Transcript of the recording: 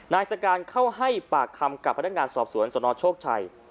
นายสการเข้าให้ปากคำกับพนักงานสอบสวนสนโชคชัย